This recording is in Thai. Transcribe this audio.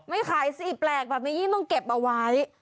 ไม่ขายสิแปลกแบบนี้ยิ่งต้องเก็บเอาไว้